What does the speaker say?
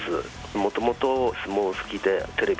もともと相撲好きで。